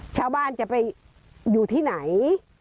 ชาวบ้านจะไปอยู่ที่ไหน